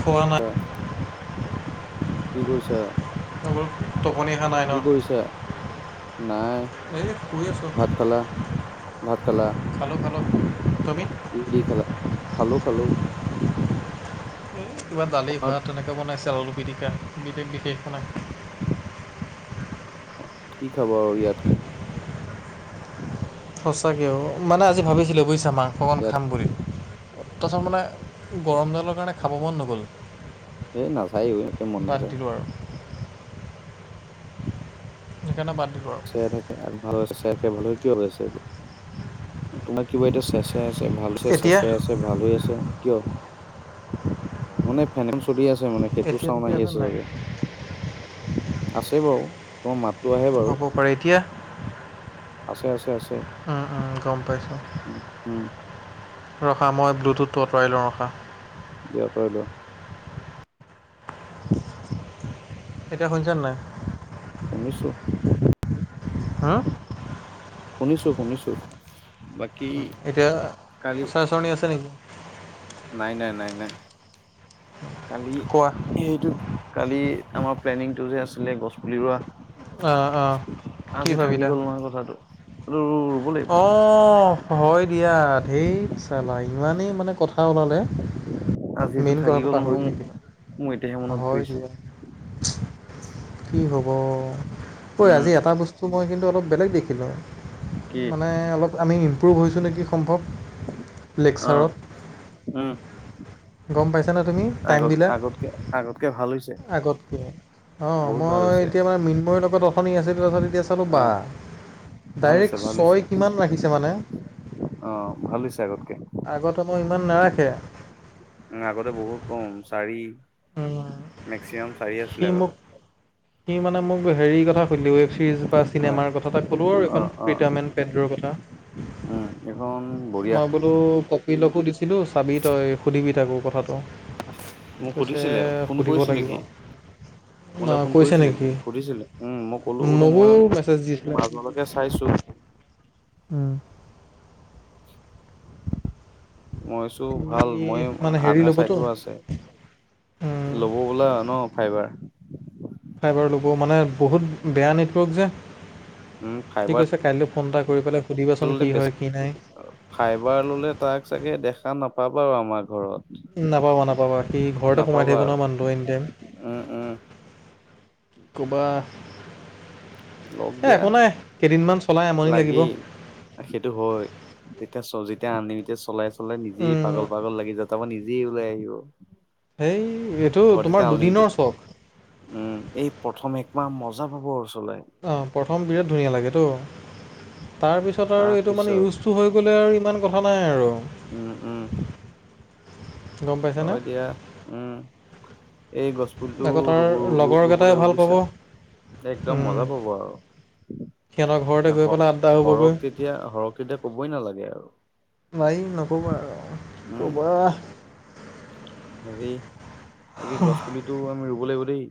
খোৱা নাই কি কৰিছা? [unintelligible] টোপনি ধৰা নাই ন। কি কৰিছা? নাই এই শুই আছো। ভাত খালা? ভাত খালা? খালোঁ খালোঁ তুমি? কি দি খালা? খালো খালো। কিবা দালি ভাত তেনেকুৱা বনাইছে আলু পিটিকা বিশেষ, বিশেষ মানে। অ, কি খাব আৰু ইয়াতকে। সঁচাকে অ, মানে আজি ভাবিছিলে বুজিছা মাংস অকণ ইয়াত খাম বুলি। তাৰপিছত মানে গৰম দালৰ কাৰণে খাব মন নগ'ল। এই নাযায়ও একে মন বাদ নাযায়। দিলোঁ আৰু সেইকাৰণে বাদ দিলোঁ আৰু। চোই থাকে আগ ভাল চোকে ভাল কিয় হৈ আছে এইটো তোমাক কিবা এতিয়া চেচাই আছে ভাল এতিয়া চেচাই আছে ভাল হৈ আছে কিয়। মানে ফেন খন চলি আছে মানে সেইটো এতিয়া চাউন ঠিকে আহি আছে নাই চাগে। আছে বাৰু মই মাতো আহে বাৰু। আৰু এতিয়া? আছে আছে আছে। উম, উম, গম পাইছোঁ উম ৰখা মই ব্লুটুথটো আঁতৰাই লওঁ ৰখা। দিয়া আঁতৰাই লোৱা। এতিয়া শুনিছা নে নাই? শুনিছোঁ। হা? শুনিছো-শুনিছো বাকী, কালি আয়, আছে নেকি? নাই-নাই-নাই-নাই কালি কোৱা সেইটো কালি আমাৰ প্লেনিংটো যে আছিলে গছ পুলি ৰোৱা। অ', অ', কি আজি থাকি ভাবিলা? গ'ল নহয় কথাটো এইটো অ'। হয় দিয়া ঢেত চালা ইমানেই মানে কথা ওলালে। আজিটো মেইন থাকি কথাটো গ'ল পাহৰি নহয় থোকিলো মোৰ এতিয়াহে মনত হয় পৰিছে দিয়া। কি হব? ঐ উম আজি এটা বস্তু মই কিন্তু অলপ বেলেগ দেখিলোঁ। কি মানে, অলপ আমি ইমপ্ৰুভ হৈছোঁ নেকি সম্ভৱ লেকসাৰত আহ, গম পাইছা না তুমি টাইম বিলাক। আগতকে ভাল হৈছে। আগতকৈ। অ', বহুত ভাল মই হৈছে এতিয়া মানে মিনময়ৰ লগত অথনি আছিলোঁ, তাৰপিছত এতিয়া চালোঁ বা। অ' ভাল হৈছে ডাইৰেক্ট ভাল হৈছে ছয় কিমান ৰাখিছে মানে। অ', ভাল হৈছে আগতকে। আগতে মই, ইমান নাৰাখে। উ, আগতে বহুত কম, চাৰি উম, মেক্সিমাম চাৰি সি আছিলে মোক আগতে। সি মানে, মোক হেৰি কথা সুধিলি ৱেব ছিৰিজ বা অ' চিনেমাৰ কথা এটা ক'লোঁ আৰু এখন অ' অ' প্ৰীতামেন পেড্ৰৰ কথা উম এইখন বঢ়িয়া মই কপিলগকো দিছিলোঁ। চাবি তই সুধিবি থাকো কথাটো। মোক কৈছে সুধিছিলে, ফোন সুধিব কৰিছিলে লাগিব কি? মোলৈ অ', ফোন কৈছে কৰিছিলে, কি নেকি সুধিছিলে উম' মই কলো বোলো মোকো মই মেছেজ দিছিলে মাজলৈকে চাইছো। উম', [inaudible] মই কৈছোঁ সি ভাল, মই মানে হেৰি আধা চাই ল'বতো থোৱা আছে। উম, ল'ব বোলে আৰু ন ফাইবাৰ। ফাইবাৰ ল'ব মানে, বহুত বেয়া নেটৱৰ্ক উম যে ঠিক ফাইবাৰ আছে কাইলৈ ফোন এটা কৰি পেলাই সুধিবাচোন ললে কি বেছি হয় কি নাই। ফাইবাৰ ললে তাক চাগে দেখা নাপাবা আৰু আমাৰ ঘৰত। নাপাবা-নাপাবা সি ঘৰতে সোমাই নাপাবা থাকিব আৰু মানুহটো এনি টাইম। উম উম কবা লগ এ' দিয়া একো নাই, কেইদিনমান চলাই আমনি লাগিব। লাগেই সেইটো হয়, তেতিয়া যেতিয়া অনলিমিতেত চলাই- চলাই নিজেই উম, পাগল-পাগল লাগি যাব। তামান নিজেই ওলাই আহিব। হেই এইটো ঘৰত যেতিয়া তোমাৰ আনলিমিটেড দুদিনৰ চখ। উম' এই প্ৰথম একমাহ মজা পাব চলাই। অ' প্ৰথম বিৰাট ধুনীয়া লাগ তো তাৰপিছত আৰু তাৰ এইটো মানে পিছত ইউজটো হৈ গ'লে আৰু ইমান কথা নাই উম আৰু। গম অ', পাইছানে এতিযয়া উম' এই গছ পুলিটো আকৌ তাৰ ৰুব-ৰুব লগৰকেইটাই লাগিব ভাল পাব বুজিছা। একদম উম, মজা পাব আৰু। সিহঁতৰ ঘৰতে গৈ পেলাই আড্ডা সৰহ হ'বগৈ তেতিয়া সৰক তেতিয়া কবই নালাগে আৰু। লাই নক'বা আৰু উম ক'বা। হেৰি এইক কি গছ পুলিতটো আমি ৰুব লাগিব দেই।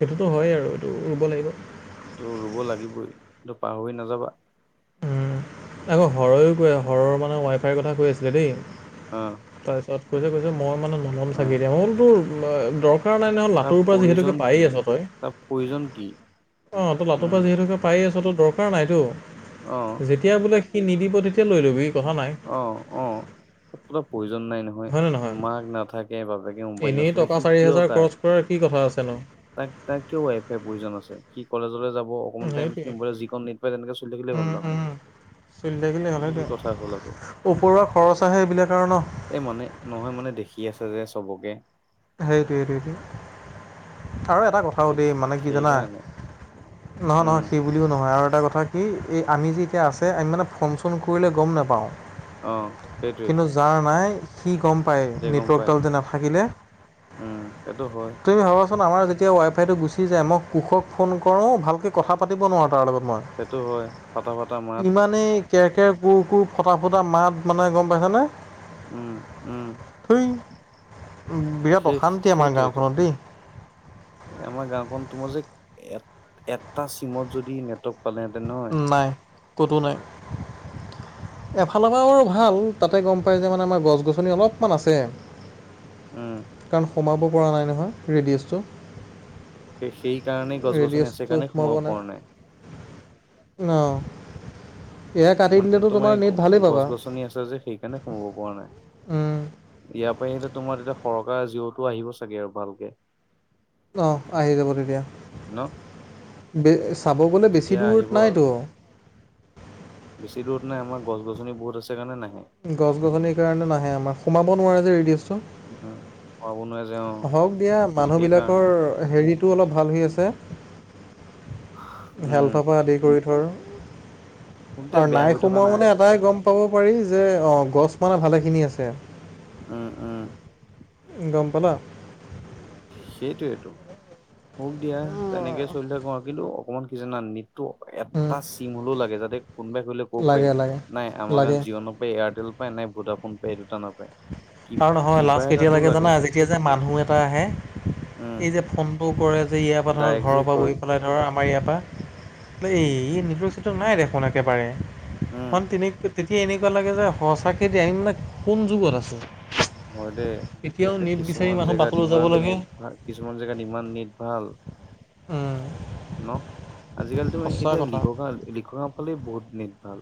সেইটোতো হয়েই আৰু, এইটো ৰুব লাগিব। ৰুব লাগিবই কিন্তু পাহৰি নাযাবা। আকৌ হৰহো কৈ হৰৰ মানে, ৱাইফাইৰ কথা কৈ আছিলে দেই অ তাৰপিছত কৈছে কৈছে মই মানে, ননম অ চাগি দিয় মলতো দৰকাৰ নাই নহয় তাৰ লাটোুৰ পৰা প্ৰয়োজন যিহেতুকে কি পায় আছ তই তাৰ প্ৰয়োজন কি? অ', ই লটোৰপ উম পৰা যিহেতুকে পায়েই আছ তো দৰকাৰ নাইতো অ', যেতিয়া বোলে সি নিদিব, তেতিয়া লৈ ল'বি ই কথা নাই অ', তাত ক প্ৰয়োজন নাই নহয় মাৰ নাথাকে বাপেকে মোবাইল নচলে সি কিয় তাক তৰ কি কথা আছে ন। তাক তাক কিয় ৱাই ফাইৰ প্ৰয়োজন আছে সি কলেজলৈ যাব। অকমান টাইম সেইটোৱে মোৱাইলত যিকণ নেট পায় তেনেক চলি থাকিলে উম, হ'ল দেখোন। উম। চলি থাকিলে হ'লে এইটো কি দ কথা হ'ল আকৌ ওপৰুৱা খৰচ আহে এইবিলাক কাৰন ন। এই মানে নহয় মানে দেখি আছে যে চবকে। সেইটোৱ সেইটেইটো আৰু এটা কথা আৰু দে মানে কি জানা সেইকাৰণে নহয় উম নহয় সি বুলিও নহয় আৰু এটা কথা কি এই আমি যে এতিয়া আছে আমি মানে ফোন চোন কৰিলে গম নাপাওঁ। অ', সেইটোৱেই। কিন্তু যাৰ নাই সি গম পায় পাই নেটৱৰ্কডাল যে নাথাকিলে। উম সেইটো হয়। তুমি ভাবাচোন আমাৰ যেতিয়া ৱাইফাইটো গুচি যায় মই কোষক ফোন কৰোঁ ভালকৈ কথা পাতিব নোৱাৰোঁ তাৰ লগত। সেইটো ফটা ফটা হয় মাত ইমানেই কেৰ কেৰ কোৰ কোৰ ফটা ফুটা মাত মানে গম পাইছেনে উম, উম। বিৰাট সেই অশান্তি আমাৰ সেইটাইতো। গাঁওখনত দেই আমাৰ গাঁওখন তোমাৰ যে এ এটা চিমত যদি নেটৱৰ্ক পালেহেঁতেন নহয় নাই কতো নাই। এফালৰ পৰাও আৰু ভাল তাতে গম পায় যে মানে আমাৰ গছ গছনি অলপমান আছে। উম। কাৰণ সোমাব পৰা নাই নহয় ৰেডিয়'ছটো। স সেইকাৰণেই গছ গছনি আছে কাৰণে সোমাব পৰা নাই। অঁ এয়া কাটি মানে দিলেতো তোমাৰ এই নেট ভালেই গছ পাবা গছনি আছে যে সেই সে সোমাব পৰা নাই। উম। ইয়াৰ প আহিলে তোমাৰ এতিয়া সৰকা জিঅ'তো আহিব চাগে আৰু ভালকে। অ', আহি যাব তেতিয়া ন? ব চাব গ'লে বেছি তেতিয়া দূৰত আহিব আৰু নাইতো। বেছি দূৰত ন আম গছ গছনি বহুত আছে কাৰণে নাহে। গছ গছনিৰ কাৰণে নাহে আমাৰ সোমাব নোৱাৰে যে ৰেডিছটো। সোমাব নোৱাৰে যে অ হওক দিয়া সেইকাৰণে মানুহবিলাকৰ হেৰিটো অলপ ভাল হৈ আছে। উম হেল্ডপা আদি কৰি ধৰ। মোক দিয়া আৰু বেয়া নাই হৈ থকা সোমৱা নাই মানে এটাই গম পাব পাৰি যে অ', গছ মানে ভালে খিনি আছে। উম, উম। গম পালা। সেইটোয়েইেতটো হোওক দিয়া তেনেকে চলি থাকো আৰু কিন্তু অকমান কি জনা নেট উম এটা চিম হলেও লাগে যাতে কোনোবাই কৰিলে লাগে লাগে নাই আমাৰাত লাগে। জিঅ' নাপায় এয়াৰটেল পায় নাই ভোডা ফোন পাই এই দুটা নাপায়। কি আৰু নহয় কিবা লাষ্ট কেতিয়া এটাতো লাগে জানা যেতিয়া যে মানুহ এটা আহে। উম। ফোনটোও কৰে যে ইয়াৰ পৰা ধৰ ডাইৰেক্ট যে ঘৰৰ পৰা বহি কয় পেলাই ধৰ আমাৰ ইয়াৰ পৰা উম, এইজ নাই দেখোন একেবাৰে তিনি তেতিয়া এনেকুৱা লাগে যে সঁচাকে দে আইনবিলাক কোন যুগত আছো। হয় দেই, এ বিচাৰি কিছুমান মানুহ জেগাত বাটলৈ যাব ইমান লাগে নেট ভাল কিছুমান জেগাত ইমান নেট ভাল। উম। ন আজিকালিতো ম এতিয়া কথা লিখকা লিখকা ফালে বহুত নেট ভাল।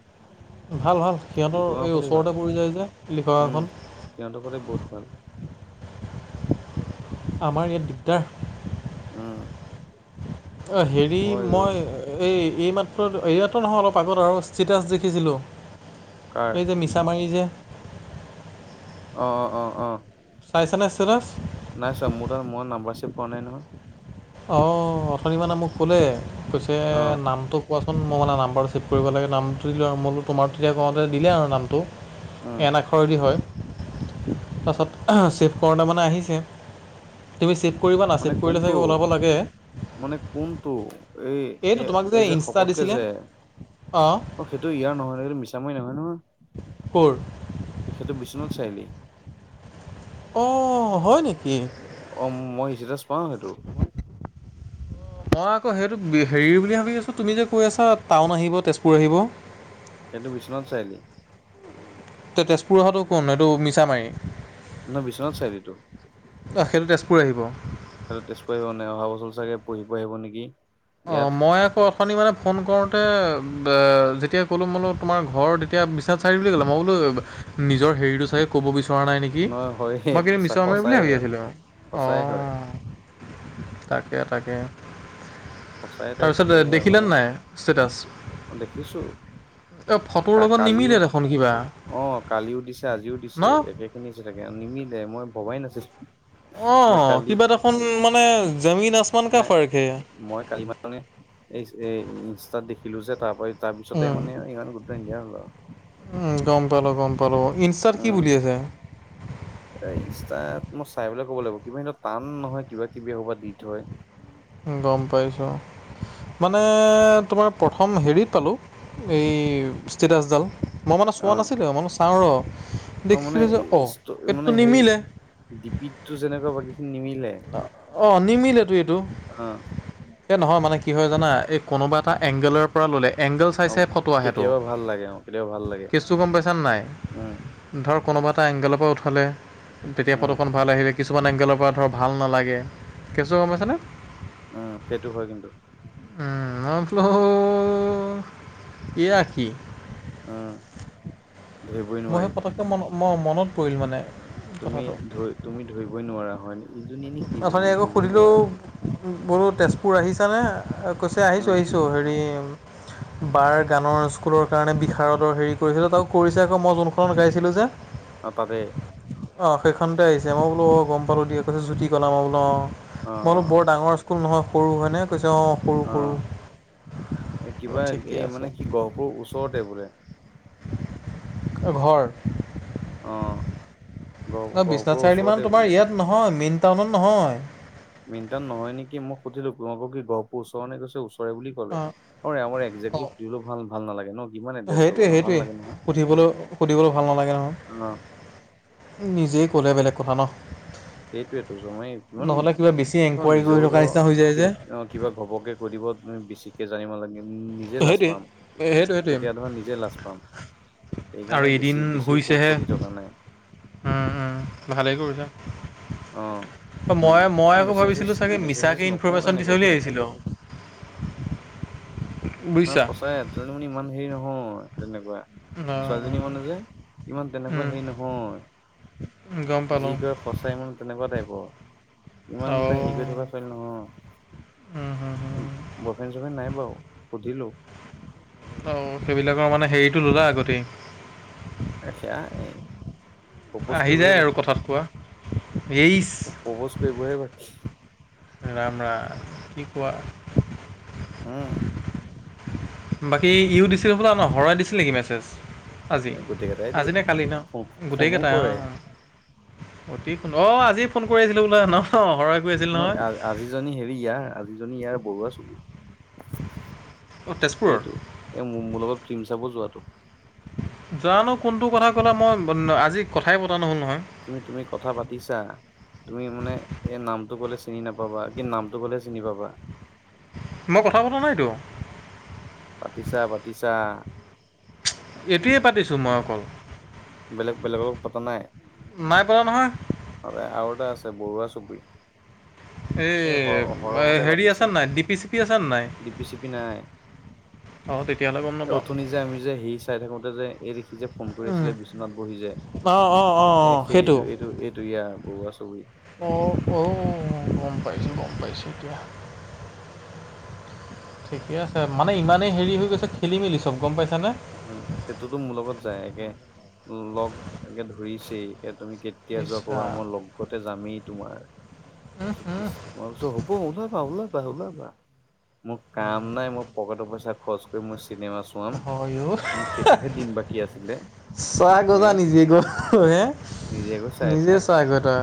ভাল, ভাল সিহঁতৰ লিখগাঁও এই ফালে ভাল ওচৰতে পৰি যায় যে লিখকা উম। খন। সিহঁতৰ ফালে বহুত ভাল। আমাৰ ইয়াত দিগদাৰ। উম, অ', হেৰি হয় ঐ মই এই এই মাত্ৰ এইমাত্ৰ নহয় অলপ আগত আৰু ষ্টিটাছ দেখিছিলোঁ, কাৰ এই যে মিচ আমাৰ হেৰি যে অ', অ', অ', অ', চাইছা নে ষ্টেটাছ? নাই ছোৱা মোৰ তাত মই নাম্বাৰ ছেভ কৰা নাই নহয়। অ', অথনি মানে মোক কলে কৈছে অ', নামটোক কোৱাচোন মই মানে নাম্বাৰটো ছেভ কৰিব লাগে নামটো দিলোঁ আৰু মো তোমাৰ তেতিয়া কওঁতে দিলে আৰু নামটো। উম, এন আখৰেদি হয়, তাৰপাছত চেফ কৰোতে মানে আহিছে। তুমি চিফ্ট কৰিবা না মানে চিফ্ট কৰিলে কোনটো চাগে ওলাব লাগে। মানে কোনটো এই এইটো এ এই যে শকতকে যে? অ', অ', সেইটো ইয়াৰ নহয় ন সেইটো মিছামাৰী নহয় নহয়। কৰ? তেখেতটো বিশ্বনাথ চাৰআলি। অ', হয় নেকি? অ', মই ষ্টেটাছ পাওঁ সেইটো। [inaudible] অ', মই আকৌ সেইটো হেৰি বুলি ভাবি আছোঁ তুমি যে কৈ আছা টাউন আহিব তেজপুৰ আহিব। সেইটো বিশ্বনাথ চাৰিআলি। তেজপুৰ অহাটো কোন এইটো মিছামাৰি ন' বিশ্বনাথ চাৰিআলি সেইটো। অ', সেইটো তেজপুৰ আহিব। সেইটো তেজপুৰ আহিব নাই অহা বছৰ চাগে পঢ়িব আহিব নেকি। অ', ইয়াত মই আপুনি মানে ফোন কৰোঁতে যেতিয়া ক'লোঁ বোলো তোমাৰ ঘৰ তেতিয়া বিশ্বনাথ চাৰিআলি বুলি ক'লে মই বোলো নিজৰ হেৰিটো চাগে ক'ব বিচৰা নাই নেকি, নহয় হয়ে মই কিন্তু সঁচা মিছামাৰি বুলিয়ে সঁচাই ভাবি হয় আছিলোঁ সঁচাই হয় অ', তাকে, তাকে। সঁচাই তাই তাৰপিছত দেখিলে নাই ষ্টেটাছ? অ', দেখিছোঁ। এই ফটোৰ লগত কালিও নিমিলে দেখোন কিবা অ, কালিও দিছে আজিও ন দিছে একে একেখিনি ষ্টেটাছকে নিমিলে মই ভবাই নাছিলোঁ অ', কিবা দেখোন মানে জামিন আচমান কা নাই ফৰ্ক হে। মই কালি ম মানে এই এ ইনষ্টাত দেখিলো যে তাৰ পৰা তাৰ পিছতে উম, মানে ইমান গুৰুত্ব নিদিয়া হ'লো আৰু। উম, গম পালো, গম পালো ইনষ্টাত কি উম বুলি আছে? এ ইনষ্টাত মই চাই পেলাই ক'ব লাগিব কিবা টান নহয় কিবা কিবি এসোপা দি থয়। গম পাইছোঁ। মানে তোমাৰ প্ৰথম হেৰিত পালোঁ এই ষ্টেটাছডাল মই মানে অ চোৱা নাছিলোঁ মানে চাওঁ ৰ' অ মানে দেখিলোঁ যে অ, এইটোতো নিমিলে '- ডিপিত টো যেনেকুৱা বাকী খিনি নিমিলে অ', নিমিলেটো এইটো। অ', এ নহয় মানে কি হয় জানা এই কোনোবা এটা এংগলৰ পৰা ল'লে এংগল চাই অ চাই ফটো আহে। কেতিয়াবা ভাল লাগে অ', কেতিয়াবা ভাল লাগে কেচটো গম পাইচ নাই? উম ধৰক কোনোবা এটা এংগেলৰ পৰা উঠালে তেতিয়া উম ফটোখন ভাল আহিলে, কিছুমান এংগেলৰ পৰা ধৰক ভাল নালাগে, কেচটো গ'ম পাইছানে? উম, সেইটো হয় কিন্তু। উম, মইবোলো এয়া কি। উম, ধৰিবই মই সেই নোৱাৰি। পটককৈ মন মই মনত পৰিল মানে। তুমি কথাটো তুমি ধৰিবই নোৱাৰা হয় ন ইজনী নে অথনি সিজনী আকৌ ধৰিবই সুধিলোঁ নোৱাৰা। বোলো তেজপুৰ আহিছানে কৈছে আহিছোঁ উম আহিছোঁ হেৰি। বাৰ গানৰ স্কুলৰ কাৰণে বিষাৰদৰ হেৰি কৰিছিলোঁ তাক কৰিছে আকৌ মই যোনখনত গাইছিলোঁ যে। অ' তাতে। অ' সেইখনতে আহিছে মই বোলো অ' গ'ম পালো দিয়ক। কৈছো জ্যোতি কলা মই বোলো অ মই বোলো বৰ ডাঙৰ স্কুল নহয় সৰু হয়নে কৈছে অ'। সৰু সৰু অহ' এ অ কিবা ঠিকে এই আছে মানে কি গহপুৰৰ ওচৰতে বোলে। ঘৰৰ। অ' গহ অ' বিশ্বনাথ গহপুৰৰ চাৰিআলি ওচৰতে মান তোমাৰ বোলে ইয়াত নহয় মেইন টাউনত নহয়। মেনটাউন নহয় নেকি? মোক সুধিলো তোমালোকৰ কি গহপুৰ ওচৰৰ নে ওচৰে বুলি ক'লে। অ অ' আমাৰ একজে্টলি সুধিবলো ভাল ভাল নালাগে ন। কিমান এড্ৰেছ ল'বা হেইটোৱে, ন ভাল নালাগে হেইটোৱে সুধিবলৈ সুধিবলৈ ভাল নালাগে নহয়। অহ'। নিজেই ক'লে বেলেগ কথা ন। সেইটোৱেতো মই ইমান নহ'লে কিবা বেছি ধৰ এনকুৱাৰী কৰি নিজেও থকা ধৰ নিচিনা হৈ যায় যে কিবা অ'। কিবা ঘবকে কৈ দিব বেছিকে জানিব লাগে। নিজে লাজ সেইটোৱে পাম। সেইটো সেইটোৱে তেতিয়া ধৰা নিজে লাজ পাম। সেইকাৰণে, বেছি বেছিও সুখ সুধি থকা নাই। উম, উম, ভালেই কৰিলা। অ। মই মই নাই আকৌ মেছেজ ভাবিছিলোঁ চাগে মেছেজ চেছেজ মিছাকে নকৰো ইনফৰৰ্মেশ্যন দি চে তেনেকে। বুলি ভাবিছিলোঁ। মানে বুজিছা সচাই ছোৱালী জনী মানে ইমান হেৰি নহয় তেনেকুৱা। ছোৱালীজনী মানে যে ইমান তেনেকুৱা হেৰি নহয়। গম যি পালোঁ কয় সচাই মন তেনেকুৱা টাইপৰ। ইমান অঁ তাই হেৰি কৰি থকা ছোৱালী নহয়। বইফ্ৰেন চইফ্ৰেন নাই বাৰু সুধিলো। অ' সেইবিলাকৰ মানে হেৰিতটো ললা আগতেই। এচেয়া এই। প্ৰপ'জ আহ হেই যে কৰিবহে আৰু বাকী। কথাত কোৱা ইচ। পৰপোৰছ কৰিবহে বাকী। ৰাম ৰাম কি কোৱা। উম। বাকী ইউ দিছিল হ'বলা ন হৰাই দিছিল নেকি মেছেজ। আজি এই গোটেই কেইটাই আজি দিয়ে। নে কালি ন ফোনো গোটেইকেইটাই অ' কৰে অ'। অতিন অ' আজি ফোন কৰিছিলো বোলে ন অ' হৰয়ে কৈছিল ন নহয়। আজিজনী হেৰি ইয়াৰ আজিজনী ইয়াৰ বৰুৱা চুবুৰি। অঁ তেজপুৰৰ সেইটো এ মোৰ লগত ফিল্ম চাব যোৱাতটো। জানো কোনটো কথা ক'লা, মই আজি কথাই পতা নহ'ল নহয়। তুমি তুমি কথা পাতিছা। তুমি মানে এই নামটো ক'লে চিনি নাপাবা, কি নামটো ক'লে চিনি পাবা। মই কথা পতা নাইতো। পাতিছা, পাতিছা। এতিয়াই পাতিছোঁ মই অকল বেলেগ বেলেগক পতা নাই নাই পতা নহয়। আৰু এটা আছে বৰুৱা চুবুৰি। সৰহতে এই হেৰি পাতিছে আছে নাই, ডি পি চি পি আছে নাই? ডিপি চিপি অ', তেতিয়াহলে এ নাপাওঁ উথুনি যে আমি যে হেৰী চাই থাকোতে যে এই দেখি যে ফোন কৰি আছিলে বিচনাত বহি যে অঁ অঁ অঁ এ অঁ সেইটো এইটো এইটো ইয়াৰ বৰুৱা চুবুৰী। অঁ', অ', গম পাইছোঁ গম পাইছোঁ এতিয়া। [inaudible] ঠিকে আছে মানে ইমানেই হেৰি হৈ গৈছে খেলি মেলি চব গম পাইছা নে? উম, সেইটোতো মোৰ লগত যায় একে লগ একে ধৰিছেইে তুমি কে কেতিয়া ইছ যোৱা কবা ৰাম মই লগতে যামেই তোমাৰ মই হ'ব ওলাবা ওলাবা ওলাবা মোৰ কাম নাই মোৰ পকেটৰ পইচা খৰচ কৰি মই চিনেমা চোৱাম। হয় অ'। মোক সেইটোহে দিন বাকী আছিলে। চা গৈ হে যা নিজে গৈ হে নিজে গৈ চাই নিজে থাক চা গৈ তই।